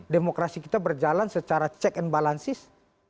demokrasi kita berjalan secara check and balances